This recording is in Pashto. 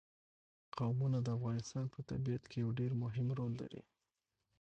قومونه د افغانستان په طبیعت کې یو ډېر مهم رول لري.